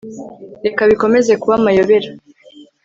Reka bikomeze kuba amayobera